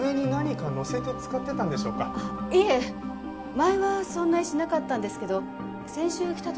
前はそんな石なかったんですけど先週来た時に。